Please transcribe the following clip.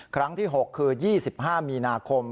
ครั้งที่๖คือ๒๕มีนาคม